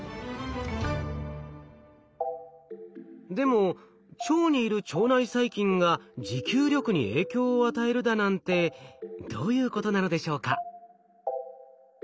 でも腸にいる腸内細菌が持久力に影響を与えるだなんてどういうことなのでしょうか？